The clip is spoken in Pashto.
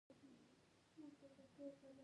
باد د فضا خوځښت ښيي